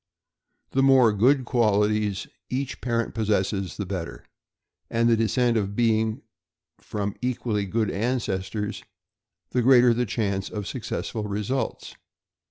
The more good qualities each parent possesses the better, and the descent being from equally good ancestors, the greater the chance of successful results.